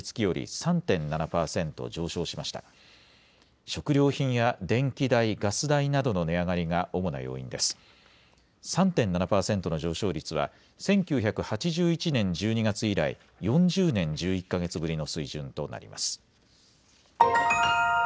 ３．７％の上昇率は１９８１年１２月以来４０年１１か月ぶりの水準となります。